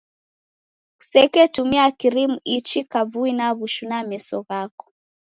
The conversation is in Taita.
Kuseketumia krimu ichi kavui na w'ushu na meso ghako.